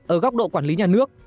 ở góc độ quản lý nhà nước